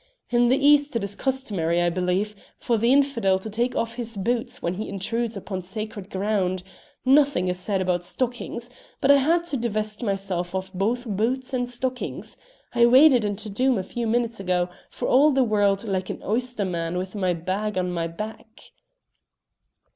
In the East it is customary, I believe, for the infidel to take off his boots when he intrudes on sacred ground; nothing is said about stockings, but I had to divest myself of both boots and stockings. I waded into Doom a few minutes ago, for all the world like an oyster man with my bag on my back."